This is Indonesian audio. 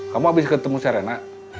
kamu abis ketemu serena